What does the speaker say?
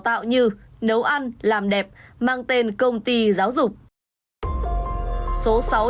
tại đây cả hai biển tên giống như ở cơ sở một